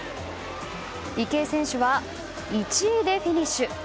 池江選手は１位でフィニッシュ。